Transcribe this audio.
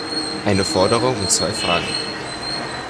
Eine Forderung und zwei Fragen.